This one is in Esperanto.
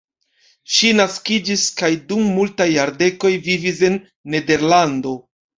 Ŝi naskiĝis kaj dum multaj jardekoj vivis en Nederlando.